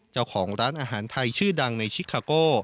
เจ้าของร้านอาหารไทยชื่อดังในชิคาโก้